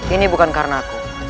ini bukan karena aku